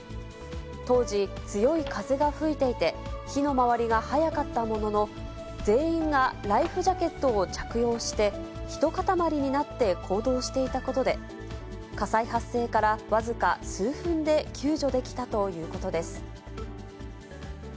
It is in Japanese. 当時、強い風が吹いていて、火の回りが速かったものの、全員がライフジャケットを着用して、ひと固まりになって行動していたことで、火災発生から僅か数分で救助できたということです。